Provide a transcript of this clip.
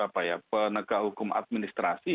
penegak hukum administrasi